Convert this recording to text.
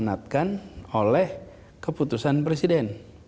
yang diamanatkan oleh keputusan presiden